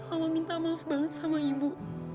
kalau minta maaf banget sama ibu